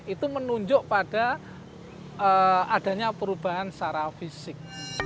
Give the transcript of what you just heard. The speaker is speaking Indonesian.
itu menunjuk pada adanya perubahan secara fisik